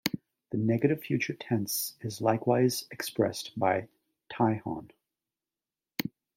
The negative future tense is likewise expressed by "tihon".